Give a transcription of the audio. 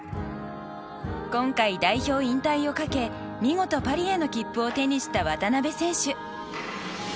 今回、代表引退をかけ見事、パリへの切符を手にした渡邊選手。